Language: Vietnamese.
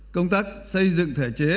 công tác xây dựng thể chế